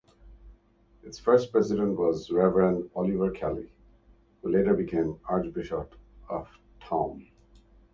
Its first president was Reverend Oliver Kelly, who later became Archbishop of Tuam.